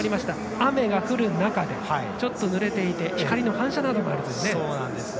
雨が降る中でちょっとぬれていて光の反射などもあります。